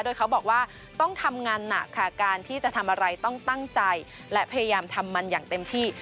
โดยเขาบอกว่าต้องทำงานหนักค่ะการที่จะทำอะไรต้องตั้งใจและพยายามทำมันอย่างเต็มที่